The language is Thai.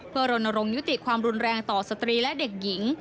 เพื่อรณรงค์ยุติความรุนแรงต่อสตรีและเด็กหญิง